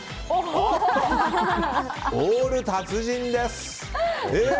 オール達人です。